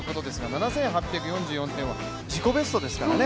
７８４４点は自己ベストですからね。